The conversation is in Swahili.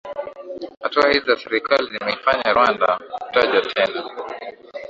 Hatua hizi za serikali zimeifanya Rwanda kutajwa tena